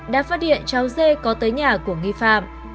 đã phát điện cháu dê có tới nhà của nghi phạm